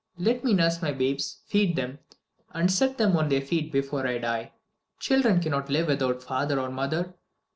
Let me nurse my babes, feed them, and set them on their feet before I die. Children cannot live without father or mother.'